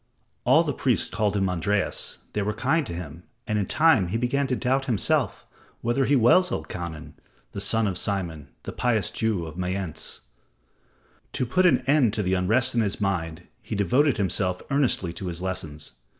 All the priests called him Andreas, they were kind to him, and in time he began to doubt himself whether he was Elkanan, the son of Simon, the pious Jew of Mayence. To put an end to the unrest in his mind, he devoted himself earnestly to his lessons.